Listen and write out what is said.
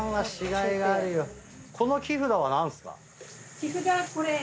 木札はこれ。